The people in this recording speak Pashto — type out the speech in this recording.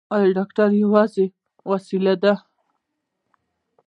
ایا ډاکټر یوازې وسیله ده؟